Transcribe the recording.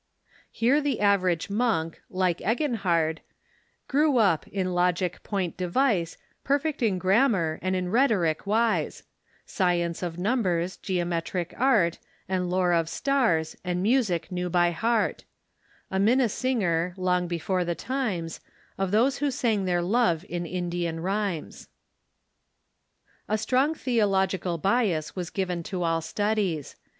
Here the average monk, like Eginhard, "Grew up, in Logic point device, Perfect in Grammar, and in Elietoric wise ; Science of numbers, Geometric Art, And lore of Stars, and music knew by heart ; A Minnesinger, long before the times Of those who sang their love in Indian rhymes." A strong theological bias was given to all the studies.